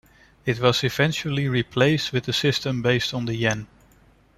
It was eventually replaced with a system based on the "yen".